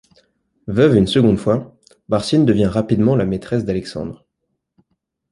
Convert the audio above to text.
Veuve une seconde fois, Barsine devient rapidement la maîtresse d'Alexandre.